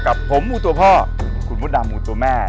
กับผมมูตัวพ่อคุณมดดำมูตัวแม่